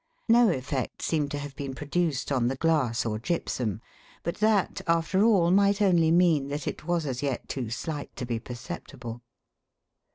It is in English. No effect seemed to have been produced on the glass or gypsum ; but that, after all, might only mean that it was as yet too slight to be perceptible.